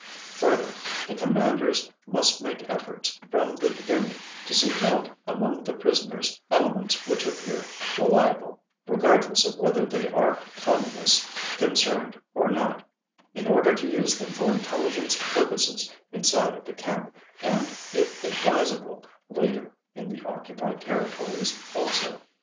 . Further, the commanders must make efforts from the beginning to seek out among the prisoners elements which appear reliable, regardless of whether there are Communists concerned or not, in order to use them for intelligence purposes inside of the camp, and if advisable, later in the occupied territories also.